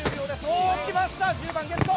おおきました１０番ゲット